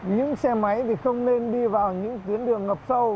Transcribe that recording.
những xe máy thì không nên đi vào những tuyến đường ngập sâu